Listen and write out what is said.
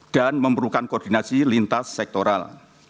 memerlukan koordinasi lintas sektoral